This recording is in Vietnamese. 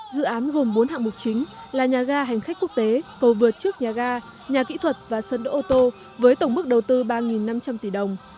dự án gồm bốn hạng mục chính là nhà ga hành khách quốc tế cầu vượt trước nhà ga nhà kỹ thuật và sân đỗ ô tô với tổng mức đầu tư ba năm trăm linh tỷ đồng